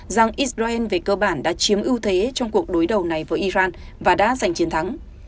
rằng israel về cơ bản đã chiếm ưu thế trong cuộc đối đầu này với iran và đã giành chiến thắng